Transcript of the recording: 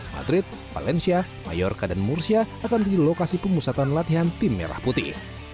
madrid valencia mallorca dan murcia akan di lokasi pemusatan latihan tim merah putih